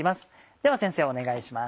では先生お願いします。